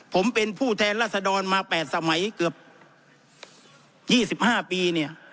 ผมเป็นผู้แทนรัศดรมาแปดสมัยเกือบยี่สิบห้าปีเนี่ย